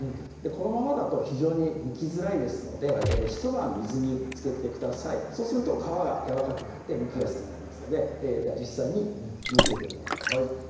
このままだと非常にむきづらいですのでひと晩水につけてくださいそうすると皮がやわらかくなってむきやすくなりますのででは実際にむいていこうと思います